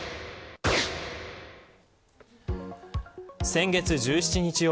先月１７日夜